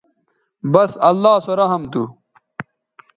بس اللہ سو رحم تھو